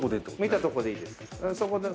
見たとこでいいです。